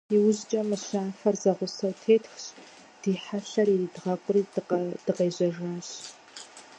ИужькӀэ мыщафэр зэгъусэу тетхщ, ди хьэлъэр иридгъэкъури дыкъежьэжащ.